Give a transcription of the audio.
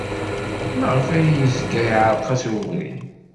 Maɣef ay yezga iɛerreq-as ubrid?